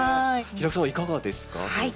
平工さんはいかがですか？